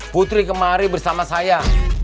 putri kemari bersama saya